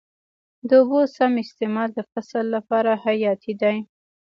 د اوبو سم استعمال د فصل لپاره حیاتي دی.